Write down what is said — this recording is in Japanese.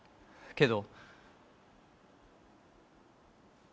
けど？